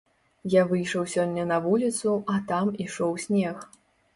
Я выйшаў сёння на вуліцу, а там ішоў снег.